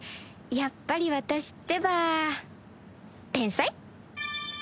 やっぱり私ってば天才？